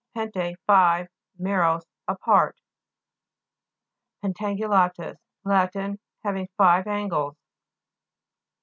pente, five, meros, a part (p. 31). PEJTTA'NGULA'TUS Lat. Having five angles.